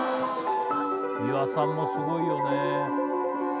美輪さんもすごいよね。